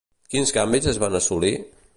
Quins canvis es van assolir?